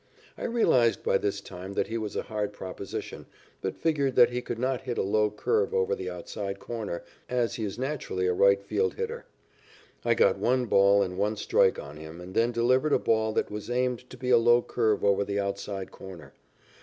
I realized by this time that he was a hard proposition, but figured that he could not hit a low curve over the outside corner, as he is naturally a right field hitter. I got one ball and one strike on him and then delivered a ball that was aimed to be a low curve over the outside corner.